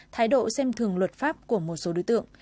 thái độ xem thường luật pháp của một số đối tượng